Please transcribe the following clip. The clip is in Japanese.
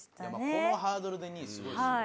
このハードルで２位すごいですね。